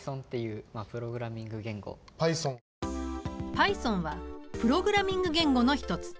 Ｐｙｔｈｏｎはプログラミング言語の一つ。